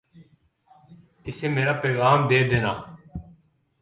اسے میرا پیغام دے دینا